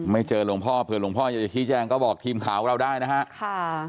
ไม่เจอหลงพ่อเผื่อหลงพ่อจะชี้แจงก็บอกทีมข่าวเราได้นะฮะ